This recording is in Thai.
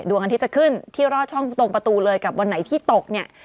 ดวงอาทิตย์จะขึ้นที่รอดช่องตรงประตูเลยกับวันไหนที่ตกเนี่ย